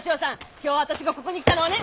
今日私がここに来たのはね！